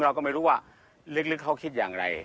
เราก็ไม่รู้ว่าลึกเขาคิดอย่างไร